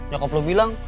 ya kok lu bilang